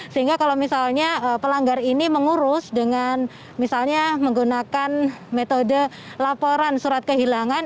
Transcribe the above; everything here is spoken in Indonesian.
sehingga kalau misalnya pelanggar ini mengurus dengan misalnya menggunakan metode laporan surat kehilangan